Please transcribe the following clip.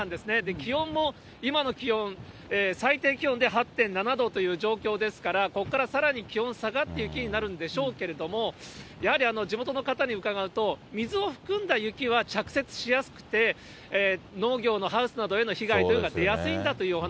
気温も、今の気温、最低気温で８．７度という状況ですから、ここからさらに気温下がって雪になるんでしょうけど、やはり地元の方に伺うと、水を含んだ雪は着雪しやすくて、農業のハウスなどへの被害というのは出やすいんだというお話